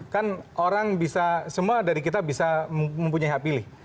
kan orang bisa semua dari kita bisa mempunyai hak pilih